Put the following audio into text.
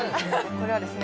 これはですね